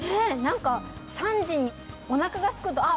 何か３時におなかがすくとあ